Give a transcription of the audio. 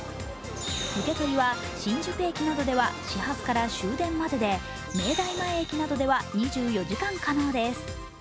受け取りは新宿駅などでは始発から終電までで明大前駅などでは２４時間可能です。